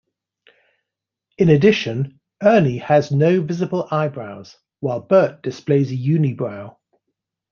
In addition, Ernie has no visible eyebrows, while Bert displays a unibrow.